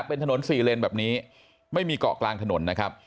เป็นถนนสี่เลนแบบนี้ไม่มีเกาะกลางถนนนะครับ